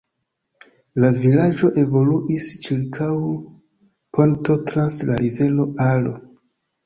La vilaĝo evoluis ĉirkaŭ ponto trans la rivero Aro.